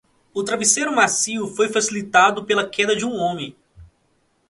O travesseiro macio foi facilitado pela queda de um homem.